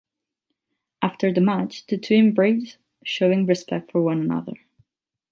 After the match the two embraced, showing respect for one another.